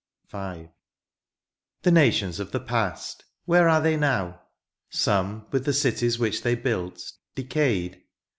V. The nations of the past, where are they now ? Some, with the cities which they built, decayed.